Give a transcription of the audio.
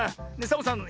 サボさん